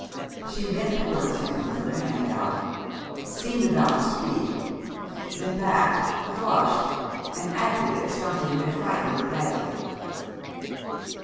She bent towards him with her hand out, seemed about to speak, then backed, flushed, and acted as if something had frightened her badly.